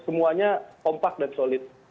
semuanya kompak dan solid